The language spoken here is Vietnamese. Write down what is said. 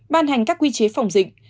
ban hành các quy chế phòng dịch